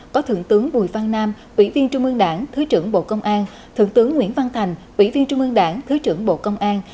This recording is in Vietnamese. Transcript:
có thượng tướng bùi văn nam ủy viên trung ương đảng thứ trưởng bộ công an thượng tướng nguyễn văn thành ủy viên trung ương đảng thứ trưởng bộ công an